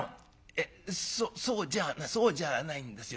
「えそっそうじゃそうじゃあないんですよ。